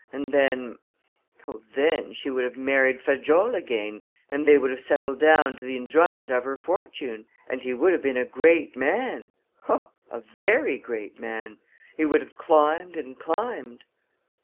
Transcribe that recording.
And then oh, then, she would have married Fajolle again, and they would have settled down to the enjoyment of her fortune. And he would have been a great man oh, a very great man. He would have climbed and climbed."